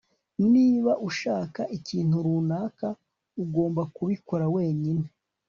Niba ushaka ikintu runaka ugomba kubikora wenyine